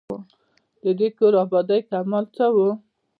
د دې کور آبادۍ کمال څه وو.